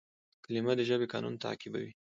کلیمه د ژبي قانون تعقیبوي.